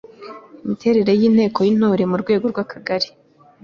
Imiterere y’Inteko y’Intore ku rwego rw’Akagari